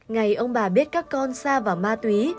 ngày ông bà biết các con xa vào ma túy